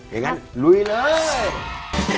อย่างนั้นลุยเลย